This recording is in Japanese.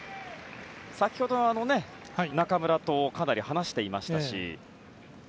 先ほど中村とかなり話していましたし。